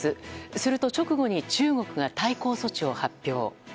すると直後に中国が対抗措置を発表。